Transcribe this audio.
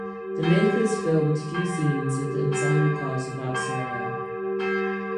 The makers filmed few scenes with the ensemble cast without Suriya.